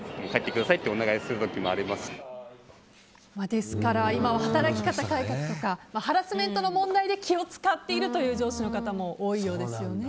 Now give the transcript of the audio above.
ですから、今は働き方改革とかハラスメントの問題で、気を使っている上司の方も多いようですね。